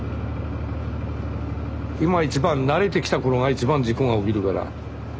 今一番慣れてきた頃が一番事故が起きるから。